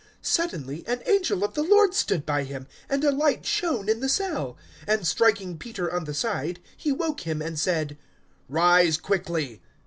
012:007 Suddenly an angel of the Lord stood by him, and a light shone in the cell; and, striking Peter on the side, he woke him and said, "Rise quickly."